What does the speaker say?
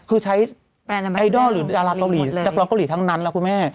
คือใช้ไอดอลหรือดาราเกาหลีนักร้องเกาหลีทั้งนั้นล่ะคุณแม่